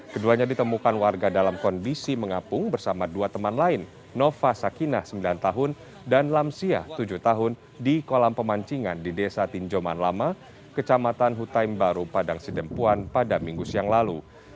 keduanya ditemukan warga dalam kondisi mengapung bersama dua teman lain nova sakinah sembilan tahun dan lamsia tujuh tahun di kolam pemancingan di desa tinjoman lama kecamatan hutaim baru padang sidempuan pada minggu siang lalu